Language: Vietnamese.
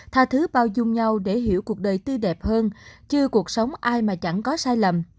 tha thứ bao dung nhau để hiểu cuộc đời tươi đẹp hơn chứ cuộc sống ai mà chẳng có sai lầm